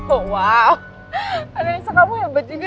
oh wow ada yang suka kamu hebat juga ya